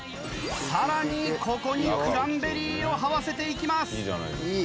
さらにここにクランベリーをはわせていきます。